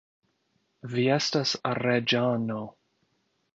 Vi estas reĝano.